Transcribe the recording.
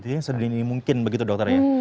sebenarnya ini mungkin begitu dokter ya